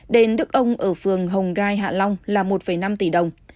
đền đức ông ở phường hồng gai hạ long là một năm tỷ đồng